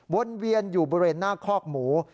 วนเวียนอยู่บริเวณหน้าคอกหมู